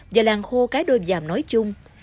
và làng khô cái đôi giàm nói chung